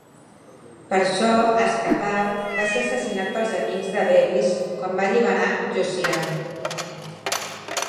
Per això Ascapart va ser assassinat pels amics de Bevis quan van alliberar Josiane.